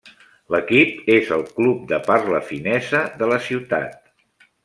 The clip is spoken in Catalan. L'equip és el club de parla finesa de la ciutat.